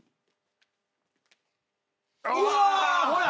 うわほら！